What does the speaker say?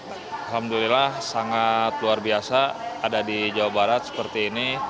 alhamdulillah sangat luar biasa ada di jawa barat seperti ini